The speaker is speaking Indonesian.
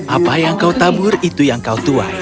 apa yang kau tabur itu yang kau tuai